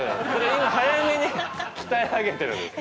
早めに鍛え上げてるんです。